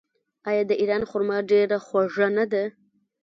آیا د ایران خرما ډیره خوږه نه ده؟